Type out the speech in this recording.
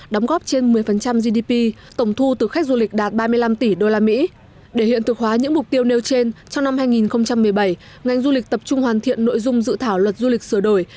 đạt ba mươi năm tỷ usd để hiện thực hóa những mục tiêu nêu trên trong năm hai nghìn một mươi bảy ngành du lịch tập trung hoàn thiện nội dung dự thảo luật du lịch sửa đổi